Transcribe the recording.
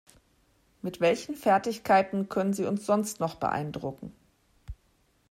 Mit welchen Fertigkeiten können Sie uns sonst noch beeindrucken?